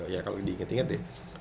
ya kalau diingat ingat ya